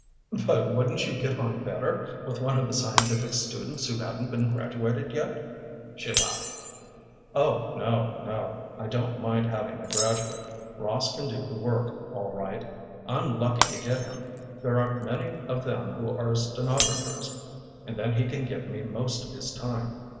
"But wouldn't you get on better with one of the scientific students who hadn't been graduated yet?" she laughed. "Oh, no; no, I don't mind having a graduate. Ross can do the work all right. I'm lucky to get him. There aren't many of them who are stenographers, and then he can give me most of his time.